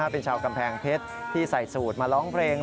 เป็นชาวกำแพงเพชรที่ใส่สูตรมาร้องเพลง